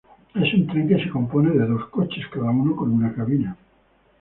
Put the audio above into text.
Es un tren que se compone de dos coches, cada uno con una cabina.